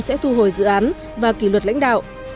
sẽ thu hồi dự án và kỷ luật lãnh đạo